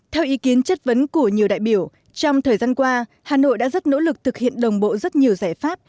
theo ý kiến chất vấn của nhiều đại biểu trong thời gian qua hà nội đã rất nỗ lực thực hiện đồng bộ rất nhiều giải pháp